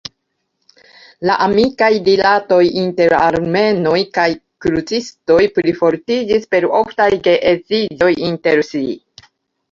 La amikaj rilatoj inter armenoj kaj krucistoj plifortiĝis per oftaj geedziĝoj inter si.